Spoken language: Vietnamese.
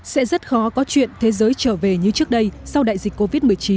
sẽ rất khó có chuyện thế giới trở về như trước đây sau đại dịch covid một mươi chín